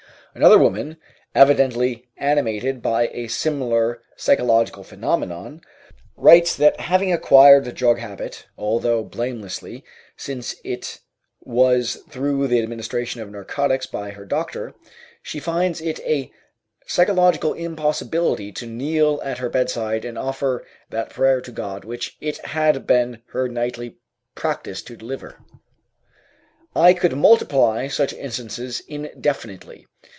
Another woman, evidently animated by a similar psychological phenomenon, writes that having acquired the drug habit, although blamelessly, since it was through the administration of narcotics by her doctor, she finds it a psychological impossibility to kneel at her bedside and offer that prayer to God which it had been her nightly practice to deliver. I could multiply such instances indefinitely.